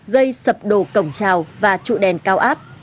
gây sập đổ cổng trào và trụ đèn cao áp